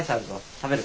食べる！